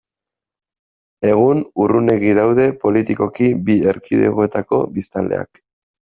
Egun, urrunegi daude politikoki bi erkidegoetako biztanleak.